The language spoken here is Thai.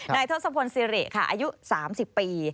นายธสะพนศิริค่ะอายุ๓๐ปี